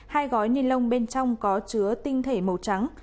hai gói ni lông bên trong có chứa tinh thể màu trắng